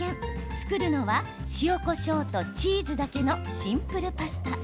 作るのは塩こしょうとチーズだけのシンプルパスタ。